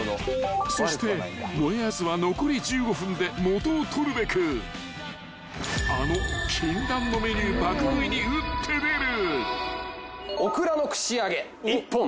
［そしてもえあずは残り１５分で元を取るべくあの禁断のメニュー爆食いに打って出る］